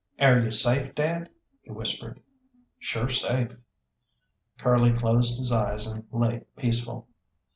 "Air you safe, dad?" he whispered. "Sure safe." Curly closed his eyes and lay peaceful.